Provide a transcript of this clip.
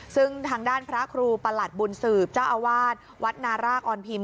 ซึ่งทางด้านพระครูประหลัดบุญสืบเจ้าอาวาสวัดนารากออนพิมพ